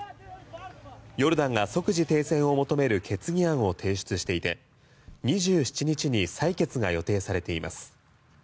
ヨルダンが即時停戦を求める決議案を提出していて２７日に採決が予定されています。